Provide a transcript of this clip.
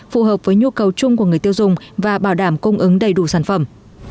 phù hợp với nhu cầu chung của người tiêu dùng và bảo đảm cung ứng đầy đủ sản phẩm